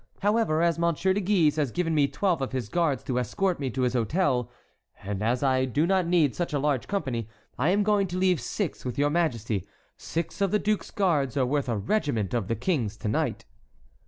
However, as Monsieur de Guise has given me twelve of his guards to escort me to his hôtel, and as I do not need such a large company, I am going to leave six with your majesty. Six of the duke's guards are worth a regiment of the King's to night."